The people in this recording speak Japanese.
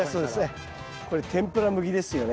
これ天ぷら向きですよね。